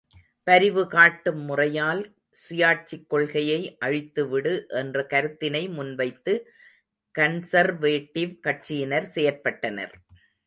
பரிவுகாட்டும் முறையால் சுயாட்சிக் கொள்கையை அழித்துவிடு என்ற கருத்தினை முன்வைத்து கன்சர்வேட்டிவ் கட்சியினர் செயற்பட்டனர்.